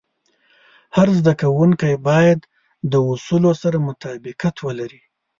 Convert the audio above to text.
هر زده کوونکی باید د اصولو سره مطابقت ولري.